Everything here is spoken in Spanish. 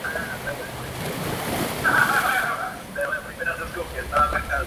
Escribió varios artículos sobre arte para revistas y periódicos locales y nacionales.